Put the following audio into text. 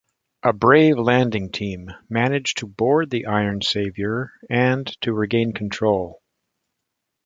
A brave landing team managed to board the Iron Savior and to regain control.